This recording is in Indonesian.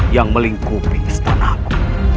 yang melingkupi istanaku